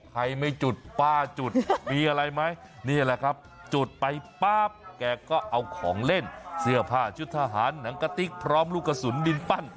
ใครไม่จุดป้าจุดมีอะไรไหมนี่แหละครับจุดไปปั๊บแกก็เอาของเล่นเสื้อผ้าชุดทหารหนังกะติ๊กพร้อมลูกกระสุนดินปั้น